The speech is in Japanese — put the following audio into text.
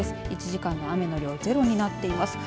１時間の雨の量はゼロになっています。